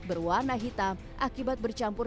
berwarna hitam akibat bercampur